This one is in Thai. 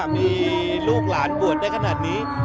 มีลูกหลานบวชได้ขนาดนี้